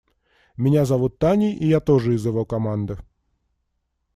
Меня зовут Таней, и я тоже из его команды.